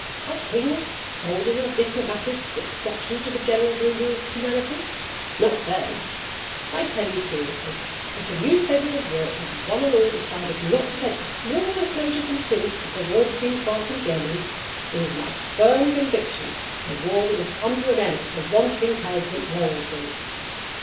Are kings, soldiers, and diplomatists exceptions to the general rule of humanity? Not they! I tell you seriously, if the newspapers of Europe had one and all decided not to take the smallest notice in print of the war between France and Germany, it is my firm conviction the war would have come to an end for want of encouragement long since.